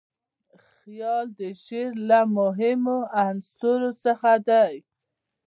خیال د شعر له مهمو عنصرو څخه دئ.